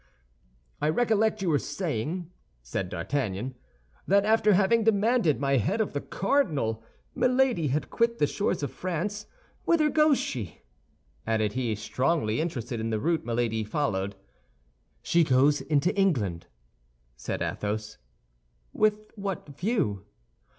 "I recollect you were saying," said D'Artagnan, "that after having demanded my head of the cardinal, Milady had quit the shores of France. Whither goes she?" added he, strongly interested in the route Milady followed. "She goes into England," said Athos. "With what view?"